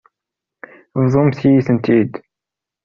Bḍumt-iyi-ten-id.